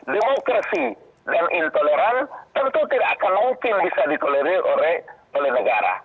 demokrasi dan intoleran tentu tidak akan mungkin bisa ditolerir oleh negara